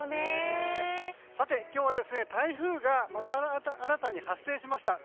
今日は台風がまた新たに発生しました。